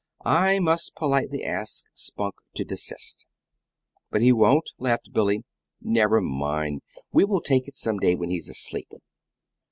I must politely ask Spunk to desist." "But he won't!" laughed Billy. "Never mind; we will take it some day when he's asleep.